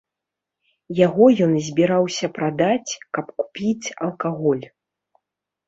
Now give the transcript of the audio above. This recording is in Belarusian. Яго ён збіраўся прадаць, каб купіць алкаголь.